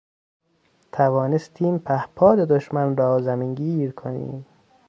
توانستیم پهپاد دشمن را زمینگیر کنیم